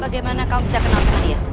bagaimana kamu bisa kenal sama dia